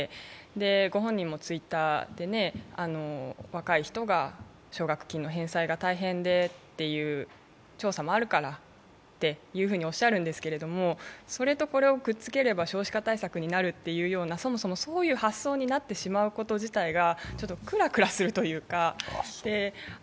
ご本人もＴｗｉｔｔｅｒで、若い人が奨学金の返済が大変でという調査もあるからとおっしゃるんですけれども、それとこれをくっつければ少子化対策になるというような、そもそも、そういう発想になってしまうこと自体がクラクラするというか。